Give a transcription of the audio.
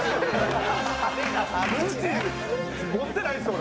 ムチ持ってないです俺。